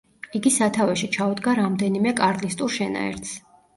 იგი სათავეში ჩაუდგა რამდენიმე კარლისტურ შენაერთს.